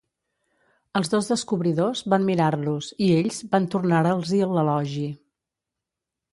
Els dos descobridors van mirar-los i ells van tornar-els-hi l'elogi.